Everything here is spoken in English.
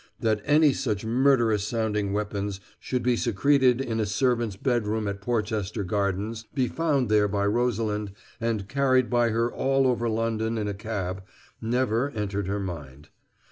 That any such murderous sounding weapons should be secreted in a servant's bedroom at Porchester Gardens, be found there by Rosalind, and carried by her all over London in a cab, never entered her mind.